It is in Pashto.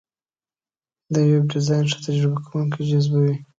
د ویب ډیزاین ښه تجربه کارونکي جذبوي.